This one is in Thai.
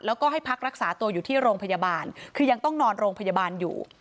แล้วก็ให้พักรักษาตัวอยู่ที่โรงพยาบาลคือยังต้องนอนโรงพยาบาลอยู่